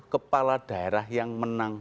kepala daerah yang menang